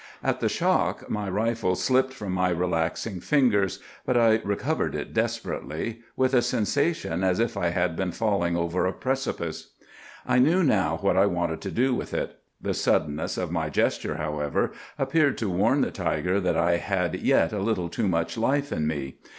"'At the shock my rifle slipped from my relaxing fingers; but I recovered it desperately, with a sensation as if I had been falling over a precipice. "'I knew now what I wanted to do with it. The suddenness of my gesture, however, appeared to warn the tiger that I had yet a little too much life in me.